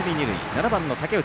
７番の竹内